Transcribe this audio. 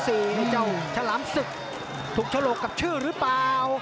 เจ้าชะหลามศึกถูกฉลกกับชื่อรึเปล่า